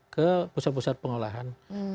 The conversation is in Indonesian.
ke pusat pusat pengolahan